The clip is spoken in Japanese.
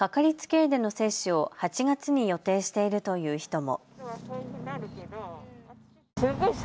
医での接種を８月に予定しているという人も。